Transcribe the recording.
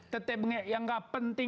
tetep yang tidak penting